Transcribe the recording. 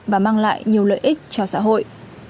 và mang lại nhiều lợi ích cho xã hội